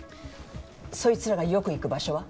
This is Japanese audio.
そいつらがよく行く場所は？